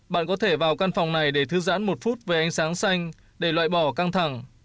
bạn có thể vào căn phòng này để thư giãn một phút về ánh sáng xanh để loại bỏ căng thẳng